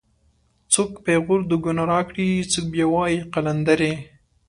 څوک پېغور د گناه راکړي څوک بیا وایي قلندرې